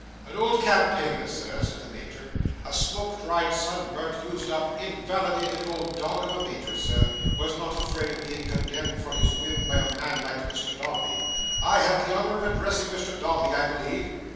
"An old campaigner, Sir," said the Major, "a smoke dried, sun burnt, used up, invalided old dog of a Major, Sir, was not afraid of being condemned for his whim by a man like Mr Dombey. I have the honour of addressing Mr Dombey, I believe?"